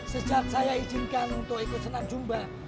sejak saya izinkan untuk ikut senang jumpa